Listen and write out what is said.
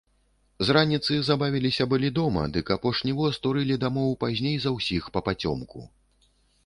З раніцы забавіліся былі дома, дык апошні воз турылі дамоў пазней за ўсіх папацёмку.